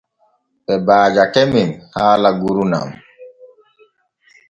Ɓe baajake men haala gurnan.